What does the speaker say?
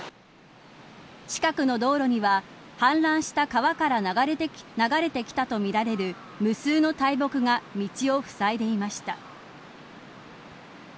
近くの道路には氾濫した川から流れてきたとみられる無数の大木が道をふさいでいました。